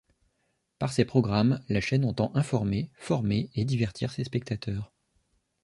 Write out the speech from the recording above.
Par ses programmes, la chaîne entend informer, former et divertir ses téléspectateurs.